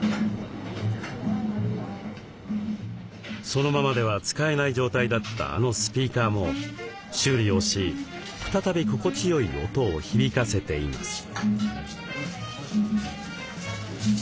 そのままでは使えない状態だったあのスピーカーも修理をし再び心地よい音を響かせています。